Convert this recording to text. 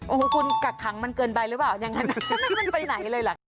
โอ้โหคุณกักทางมันเกินไปหรอกละ